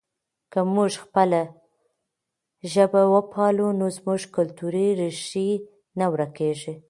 که موږ خپله ژبه وپالو نو زموږ کلتوري ریښې نه ورکېږي.